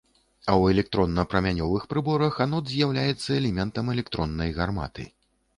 А ў электронна-прамянёвых прыборах анод з'яўляецца элементам электроннай гарматы.